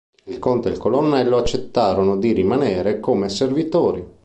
Il conte e il colonnello accettano di rimanere come servitori.